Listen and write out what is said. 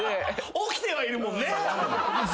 起きてはいるもんね。